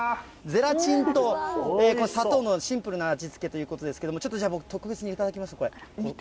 ゼラチンと砂糖のシンプルな味付けということですけれども、ちょっとじゃあ、僕、特別に頂きます、これ。